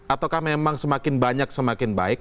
ataukah memang semakin banyak semakin baik